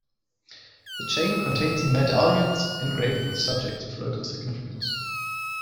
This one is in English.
The chain contains medallions engraved with subjects of local significance.